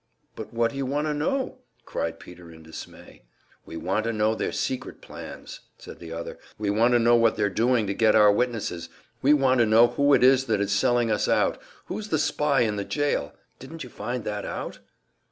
"But what do you want to know?" cried Peter, in dismay. "We want to know their secret plans," said the other. "We want to know what they're doing to get our witnesses; we want to know who it is that is selling us out, who's the spy in the jail. Didn't you find that out?"